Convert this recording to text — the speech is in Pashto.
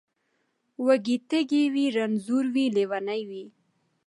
وږی تږی وي رنځور وي لېونی وي